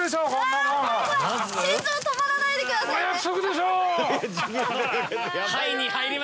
心臓止まらないでくださいね。